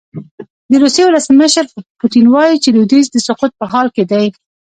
د روسیې ولسمشر پوتین وايي چې لویدیځ د سقوط په حال کې دی.